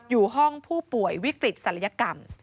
อยู่ห้องผู้ป่วยวิกฤตศัลยกรรม